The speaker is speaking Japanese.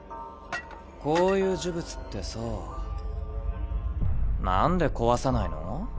こういう呪物ってさなんで壊さないの？